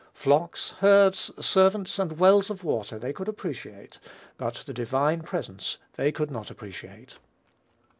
Flocks, herds, servants, and wells of water they could appreciate; but the divine presence they could not appreciate.